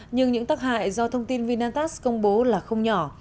nhưng những tắc hại do thông tin vinatax công bố là không nhỏ